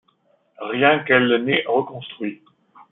Rien qu’elle n’ait reconstruit.